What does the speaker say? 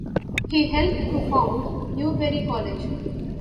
He helped to found Newberry College.